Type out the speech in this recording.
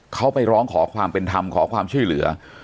เขาไปร้องขอความเป็นธรรมขอความช่วยเหลือ